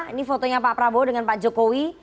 ini fotonya pak prabowo dengan pak jokowi